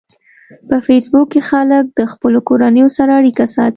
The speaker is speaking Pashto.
په فېسبوک کې خلک د خپلو کورنیو سره اړیکه ساتي